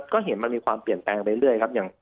ก็เห็นมันมีความเปลี่ยนแปลงไปเรื่อยครับ